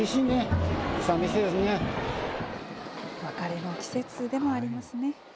別れの季節でもありますね。